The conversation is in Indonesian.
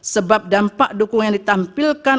sebab dampak dukungan yang ditampilkan